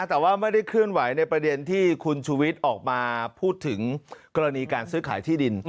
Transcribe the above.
แต่ว่าไม่ได้เคลื่อนไหวในประเด็นที่คุณชูวิทย์ออกมาพูดถึงกรณีการซื้อขายที่ดิน